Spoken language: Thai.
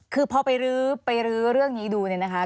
คือพอไปรื้อไปรื้อเรื่องนี้ดูเนี่ยนะคะ